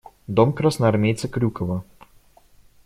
Дом красноармейца Крюкова.